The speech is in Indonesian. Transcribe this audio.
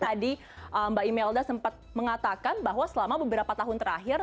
tapi seperti yang tadi mbak imelda sempat mengatakan bahwa selama beberapa tahun terakhir